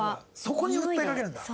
そこに訴えかけるんだ。